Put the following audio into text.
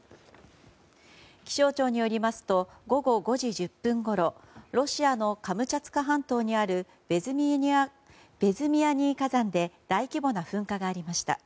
気象庁によりますと午後５時１０分ごろロシアのカムチャツカ半島にあるベズィミアニィ火山で大規模な噴火がありました。